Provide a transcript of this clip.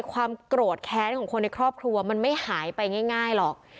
ความโกรธแค้นของคนในครอบครัวมันไม่หายไปง่ายหรอก